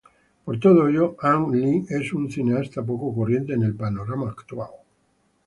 Por todo ello, Ang Lee es un cineasta poco corriente en el panorama actual.